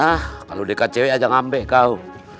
nah kalau dekat cewek aja ngambek kau